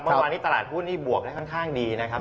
เมื่อวานนี้ตลาดหุ้นนี่บวกได้ค่อนข้างดีนะครับ